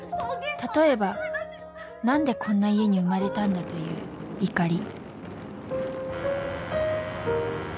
例えば何でこんな家に生まれたんだという怒り